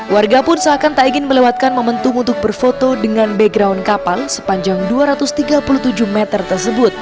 warga pun seakan tak ingin melewatkan momentum untuk berfoto dengan background kapal sepanjang dua ratus tiga puluh tujuh meter tersebut